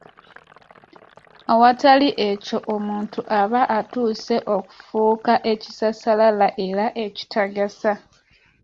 Awatali ekyo omuntu aba atuuse okufuuka ekisassalala era ekitagasa.